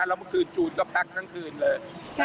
แล้วเมื่อคืนจูนก็พักทั้งคืนเลย